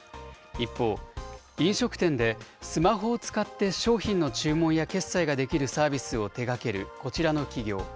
一方、飲食店でスマホを使って商品の注文や決済ができるサービスを手がけるこちらの企業。